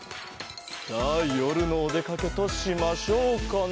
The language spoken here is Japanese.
さあよるのおでかけとしましょうかね。